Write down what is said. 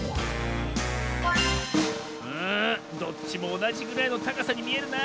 うんどっちもおなじぐらいのたかさにみえるなあ。